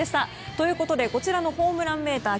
ということで、こちらのホームランメーター